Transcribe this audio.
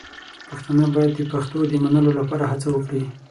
پښتانه باید د پښتو د منلو لپاره هڅه وکړي.